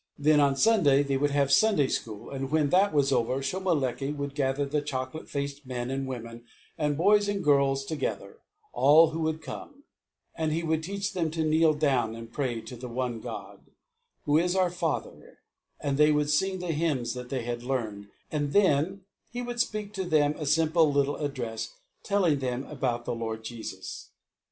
Then on Sunday they would have Sunday school, and when that was over Shomolekae would gather the chocolate faced men and women and boys and girls together all who would come and he would teach them to kneel down and pray to the one God, Who is our Father, and they would sing the hymns that they had learned, and then he would speak to them a simple little address, telling them of the Lord Jesus.